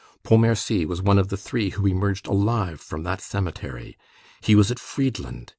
Pontmercy was one of the three who emerged alive from that cemetery. He was at Friedland.